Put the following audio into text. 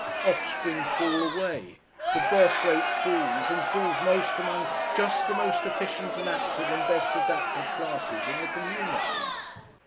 Offspring fall away, the birth rate falls and falls most among just the most efficient and active and best adapted classes in the community.